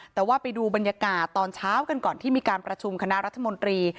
แต่ว่าไปดูบรรยากาศตอนเช้ากันก่อนที่มีการประชุมคณะรัฐมนตรี